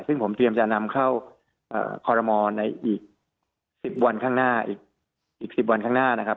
ซึ่งผมเตรียมจะนำเข้าคอรมณ์ในอีก๑๐วันข้างหน้า